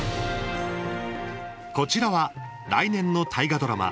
こちらは、来年の大河ドラマ